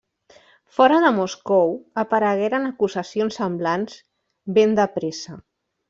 Fora de Moscou, aparegueren acusacions semblants ben de pressa.